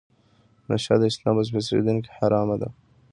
نشه د اسلام په سپیڅلي دین کې حرامه ده.